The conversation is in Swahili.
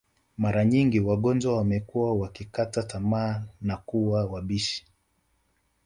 Mara nyingi wagonjwa wamekuwa wakikata tamaa na kuwa wabishi